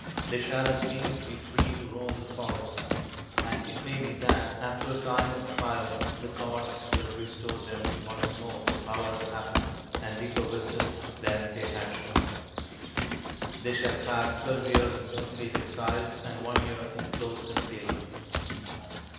They shall at least be free to roam the forest, and it may be that after a time of trial the gods will restore them once more to power and happiness and deeper wisdom than they have shown. They shall pass twelve years in complete exile and one year in close concealment."